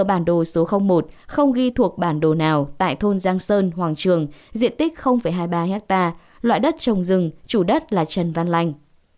bản đồ số một không ghi thuộc bản đồ nào tại thôn giang sơn hoàng trường diện tích hai mươi ba ha loại đất trồng rừng chủ đất là trần văn lành